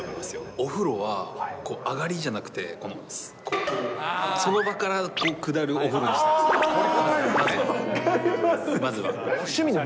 お風呂はこう、上がりじゃなくて、このその場から下るお風呂にしたいんです、まずは。